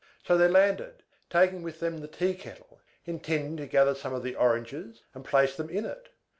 So they all landed, taking with them the tea kettle, intending to gather some of the oranges, and place them in it.